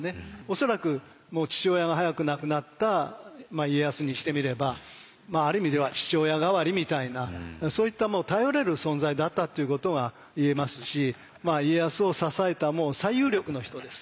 恐らくもう父親が早く亡くなった家康にしてみればある意味では父親代わりみたいなそういった頼れる存在だったっていうことがいえますし家康を支えたもう最有力の人です。